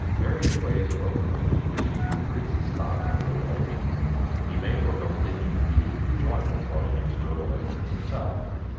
_ Various ways are open to one wishing to increase his stock of durable agents. He may forego seeking immediate enjoyments while he makes durable agents himself.